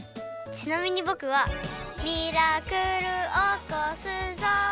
ちなみにぼくは「ミラクルおこすぞ」